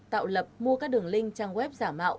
tạo lập mua các đường link trang web giả mạo